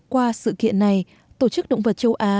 qua sự kiện này tổ chức động vật châu á